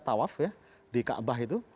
tawaf di kaabah itu